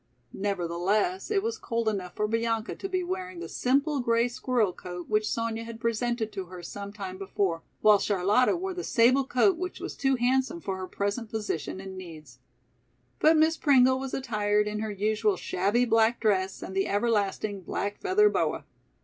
Nevertheless, it was cold enough for Bianca to be wearing the simple grey squirrel coat which Sonya had presented to her some time before, while Charlotta wore the sable coat which was too handsome for her present position and needs. But Miss Pringle was attired in her usual shabby black dress and the everlasting black feather boa.